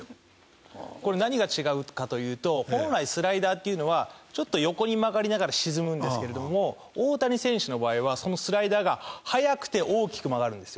これ何が違うかというと本来スライダーっていうのはちょっと横に曲がりながら沈むんですけれども大谷選手の場合はそのスライダーが速くて大きく曲がるんですよ。